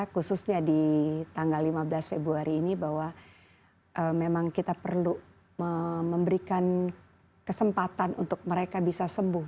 khususnya di tanggal lima belas februari ini bahwa memang kita perlu memberikan kesempatan untuk mereka bisa sembuh